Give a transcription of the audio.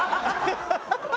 ハハハハ！